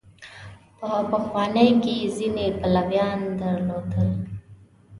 په پخوانو کې ځینې پلویان درلودل.